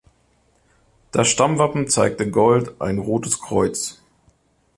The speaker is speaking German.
Das Stammwappen zeigt in Gold ein rotes Kreuz.